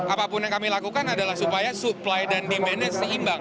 apapun yang kami lakukan adalah supaya supply dan demandnya seimbang